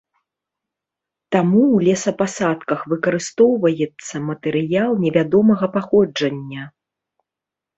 Таму ў лесапасадках выкарыстоўваецца матэрыял невядомага паходжання.